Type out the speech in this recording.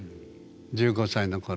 １５歳の頃。